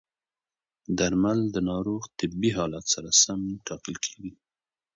درمل د ناروغ طبي حالت سره سم ټاکل کېږي.